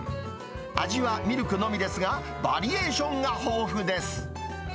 味はミルクのみですが、バリエーションが豊富です。